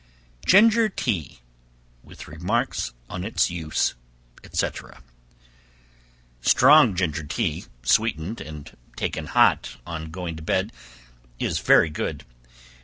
Ginger Tea. With Remarks on its Use, &c. Strong ginger tea, sweetened and taken hot on going to bed, is very good.